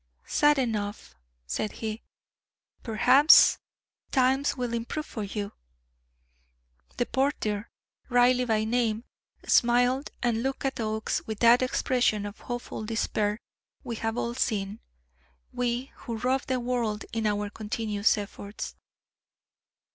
"Sad enough," said he; "perhaps times will improve for you." The porter, Reilly by name, smiled and looked at Oakes with that expression of hopeful despair we have all seen, we who rub the world in our continuous efforts.